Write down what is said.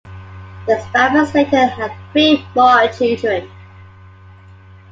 The Spaffords later had three more children.